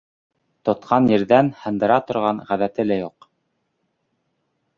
Тотҡан ерҙән һындыра торған ғәҙәте лә юҡ.